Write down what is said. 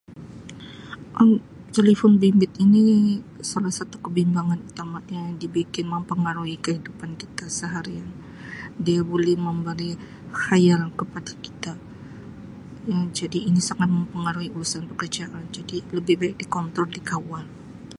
Um Telefon bimbit ini salah satu kebimbangan tentang [unintelligible] dibikin mempengaruhi kehidupan kita seharian dia buli memberi khayal kepada kita Um jadi ini sangat mempengaruhi urusan pekerjaan jadi lebih baik di kontrol dikawal.